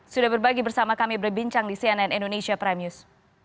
sudah berbagi bersama kami berbincang di cnn indonesia prime news